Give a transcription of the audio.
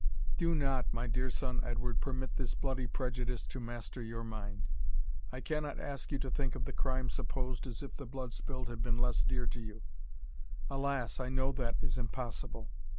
Do not, my dear son Edward, permit this bloody prejudice to master your mind. I cannot ask you to think of the crime supposed as if the blood spilled had been less dear to you Alas! I know that is impossible.